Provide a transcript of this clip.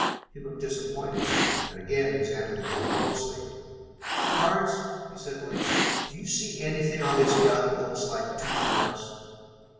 He looked disappointed, and again examined the gun closely. "Carnes," he said at length, "do you see anything on this gun that looks like tooth marks?"